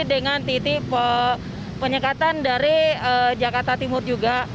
dengan titik penyekatan dari jakarta timur juga